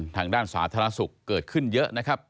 ทางด้านสาธารณสุขเกิดขึ้นเยอะนะครับ